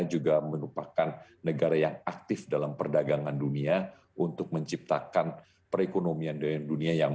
juga merupakan negara yang aktif dalam perdagangan dunia untuk menciptakan perekonomian dunia yang